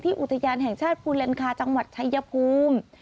อุทยานแห่งชาติภูเลนคาจังหวัดชายภูมิ